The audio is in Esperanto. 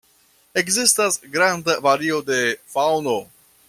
Ekzistas granda vario de faŭno.